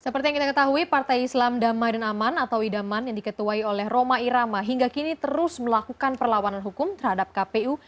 seperti yang kita ketahui partai islam damai dan aman atau idaman yang diketuai oleh roma irama hingga kini terus melakukan perlawanan hukum terhadap kpu